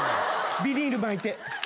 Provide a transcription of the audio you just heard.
ビニール巻いて。